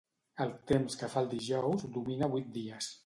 El temps que fa el dijous domina vuit dies.